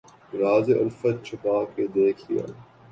راز الفت چھپا کے دیکھ لیا